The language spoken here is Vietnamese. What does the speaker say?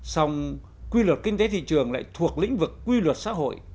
xong quy luật kinh tế thị trường lại thuộc lĩnh vực quy luật xã hội